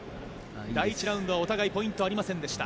第１ラウンドはお互いポイントがありませんでした。